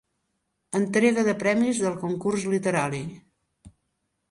Entrega de premis del Concurs Literari.